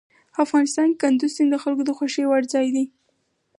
افغانستان کې کندز سیند د خلکو د خوښې وړ ځای دی.